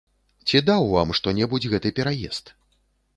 Ці даў вам што-небудзь гэты пераезд?